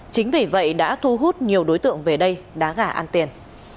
chính vì vậy đã thu hút nhiều đối tượng về đây đá gà ăn tiền